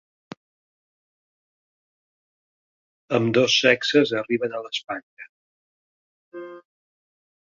Ambdós sexes arriben a l'espatlla.